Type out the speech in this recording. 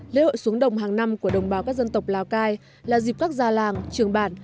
lễ hội xuống đồng hàng năm của đồng bào các dân tộc lào cai là dịp các già làng trường bản